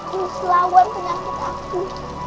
ini selawan penyakit aku